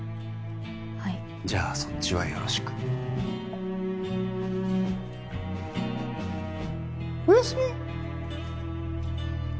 はいじゃあそっちはよろしくおやすみ！